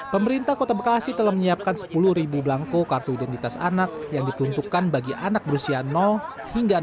pemerintah kota bekasi telah menyiapkan sepuluh belangko kartu identitas anak yang diperuntukkan bagi anak berusia hingga enam tahun